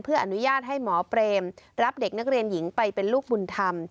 อนุญาตให้หมอเปรมรับเด็กนักเรียนหญิงไปเป็นลูกบุญธรรม